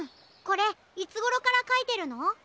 これいつごろからかいてるの？